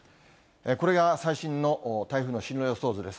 これが最新の台風の進路予想図です。